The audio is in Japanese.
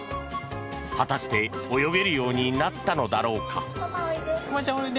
果たして泳げるようになったのだろうか。